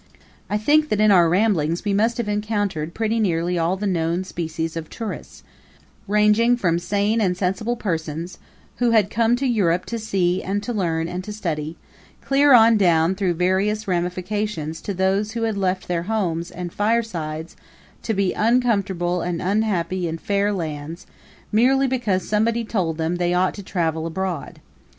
I think that in our ramblings we must have encountered pretty nearly all the known species of tourists, ranging from sane and sensible persons who had come to Europe to see and to learn and to study, clear on down through various ramifications to those who had left their homes and firesides to be uncomfortable and unhappy in far lands merely because somebody told them they ought to travel abroad.